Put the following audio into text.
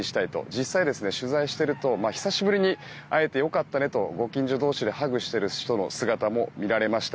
実際取材していると久しぶりに会えてよかったねとご近所同士ハグする方の姿もありました。